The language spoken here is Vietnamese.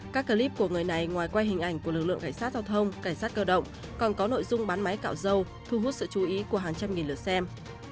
các clip của người này ngoài quay hình ảnh của lực lượng cảnh sát giao thông cảnh sát cơ động còn có nội dung bán máy cạo dâu thu hút sự chú ý của hàng trăm nghìn lượt xem